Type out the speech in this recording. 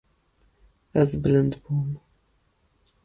Ez bilind bûm.